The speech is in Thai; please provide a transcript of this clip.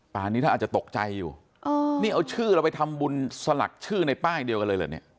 นี้ท่านอาจจะตกใจอยู่นี่เอาชื่อเราไปทำบุญสลักชื่อในป้ายเดียวกันเลยเหรอเนี่ย